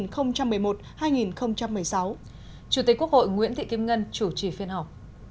chủ tịch quốc hội nguyễn thị kim ngân chủ trì phiên họp